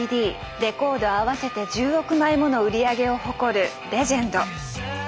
レコード合わせて１０億枚もの売り上げを誇るレジェンド。